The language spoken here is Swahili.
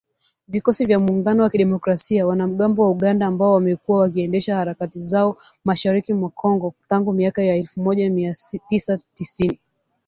Vikosi vya Muungano wa Kidemokrasia, wanamgambo wa Uganda ambao wamekuwa wakiendesha harakati zao mashariki mwa Kongo tangu miaka ya elfu moja mia tisa tisini.